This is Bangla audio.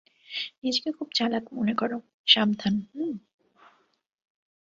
নিজেকে খুব চালাক মনে করো সাবধান হূম?